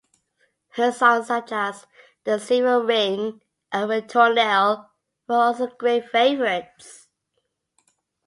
Her songs, such as "The Silver Ring" and "Ritournelle", were also great favorites.